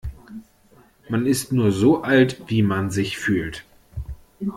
Man ist nur so alt, wie man sich fühlt.